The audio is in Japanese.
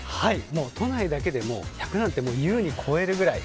都内だけでも１００なんて優に超えるくらい。